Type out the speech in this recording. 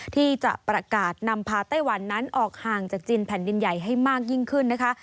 ที่จะประกาศนำพาไต้วันนั้นออกห่างจากจีนแผ่นดินใหญ่ให้มากยิ่งขึ้นนะคะ